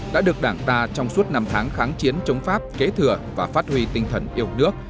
đã được đảng ta trong suốt năm tháng kháng chiến chống pháp kế thừa và phát huy tinh thần yêu nước